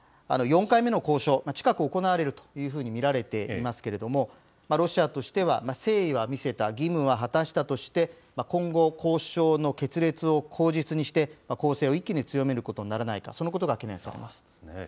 ４回目の交渉、近く、行われるというふうに見られていますけれども、ロシアとしては誠意は見せた、義務は果たしたとして、今後、交渉の決裂を口実にして、攻勢を一気に強めることにならないか、そのことが懸念されます。